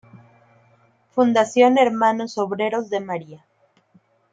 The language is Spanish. Fundación Hermanos Obreros de María.